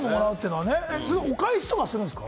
お返しはするんですか？